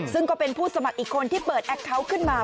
ซึ่งก็เป็นผู้สมัครอีกคนที่เปิดแอคเคาน์ขึ้นมา